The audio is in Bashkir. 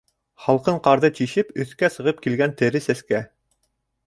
Һалҡын ҡарҙы тишеп, өҫкә сығып килгән тере сәскә.